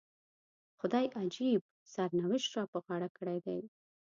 خدای عجیب سرنوشت را په غاړه کړی دی.